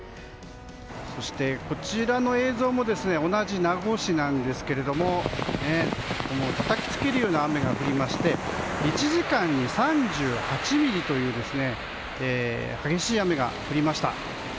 そしてこちらの映像も同じ名護市ですがたたきつけるような雨が降りまして１時間に３８ミリという激しい雨が降りました。